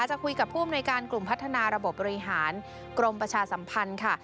จะคุยกับผู้อำนวยการกลุ่มพัฒนาระบบบบริหารกรมประชาสัมพันธ์ค่ะ